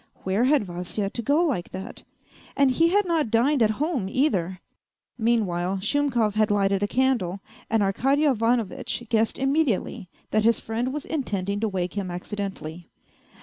" Where had Vasya to go like that ? And he had not dined at home either !" Meanwhile, Shumkov had lighted a candle, and Arkady Ivanovitch guessed immediately that his friend was intending to wake him accidentally.